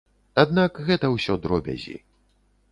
Аднак гэта ўсё дробязі.